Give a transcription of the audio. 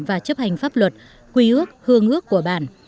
và chấp hành pháp luật quy ước hương ước của bản